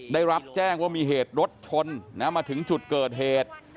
ได้รับแจ้งว่ามีเหตุรถชนมาถึงจุดเกิดเหตุ